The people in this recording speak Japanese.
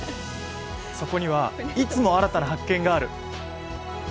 そこにはいつも新たな発見がある。